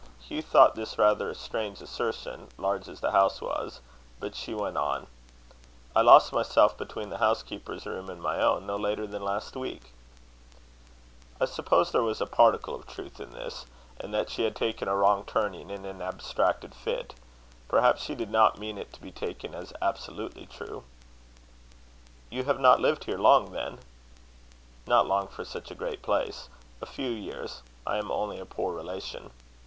Hugh thought this rather a strange assertion, large as the house was; but she went on: "I lost myself between the housekeeper's room and my own, no later than last week." I suppose there was a particle of truth in this; and that she had taken a wrong turning in an abstracted fit. Perhaps she did not mean it to be taken as absolutely true. "You have not lived here long, then?" "Not long for such a great place. A few years. I am only a poor relation."